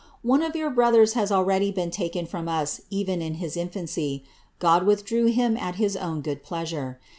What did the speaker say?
One of your brodiets has already been taken from us even in his infancy ;* God withdrew him at bis own good pleasure.